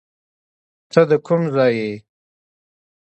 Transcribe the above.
ته ده کوم ځای یې